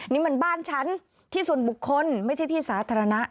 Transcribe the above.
นี่มันบ้านฉันที่ส่วนบุคคลไม่ใช่ที่สาธารณะ